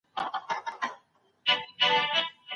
پوهنتون له دغو محصلانو څخه په راتلونکي کي څه هيله لري؟